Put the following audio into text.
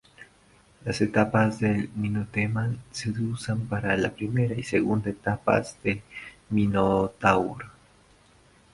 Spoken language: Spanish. Las etapas del Minuteman se usan para la primera y segunda etapas del Minotaur.